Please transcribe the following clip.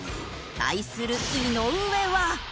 対する井上は。